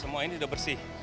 semua ini sudah bersih